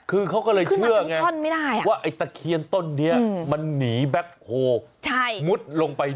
คือเขาก็เลยเชื่อไงขึ้นมาตั้งท่อนไม่ได้อะว่าไอ้ตะเคียนต้นนี้มันหนีแบ็คโฮล์มุดลงไป